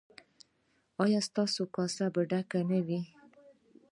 ایا ستاسو کاسه به ډکه نه وي؟